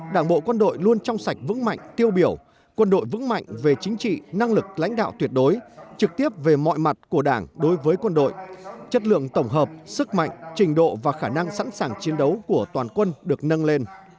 đảng bộ quân đội luôn trong sạch vững mạnh tiêu biểu quân đội vững mạnh về chính trị năng lực lãnh đạo tuyệt đối trực tiếp về mọi mặt của đảng đối với quân đội chất lượng tổng hợp sức mạnh trình độ và khả năng sẵn sàng chiến đấu của toàn quân được nâng lên